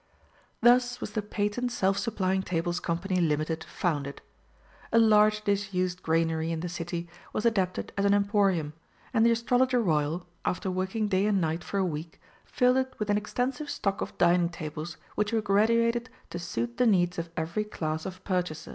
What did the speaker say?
Thus was the "Patent Self supplying Tables Co., Ltd.," founded. A large disused granary in the City was adapted as an Emporium, and the Astrologer Royal, after working day and night for a week, filled it with an extensive stock of dining tables which were graduated to suit the needs of every class of purchaser.